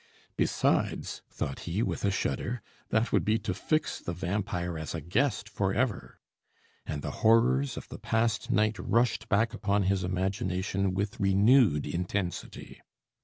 "Besides," thought he, with a shudder, "that would be to fix the vampire as a guest for ever." And the horrors of the past night rushed back upon his imagination with renewed intensity.